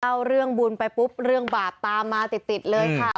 เล่าเรื่องบุญไปปุ๊บเรื่องบาปตามมาติดเลยค่ะ